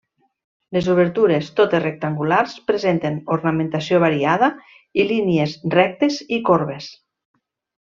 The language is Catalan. Les obertures, totes rectangulars, presenten ornamentació variada i línies rectes i corbes.